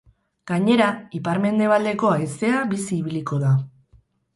Gainera, ipar-mendebaldeko haizea bizi ibiliko da.